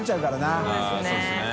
あっそうですね。